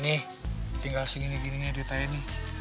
nih tinggal segini gininya duit saya nih